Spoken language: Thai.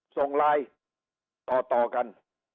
ส่งลายต่อกัน